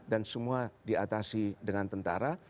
dan semua diatasi dengan tentara